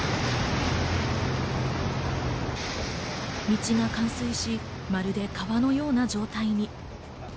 道が冠水し、まるで川のような状態に。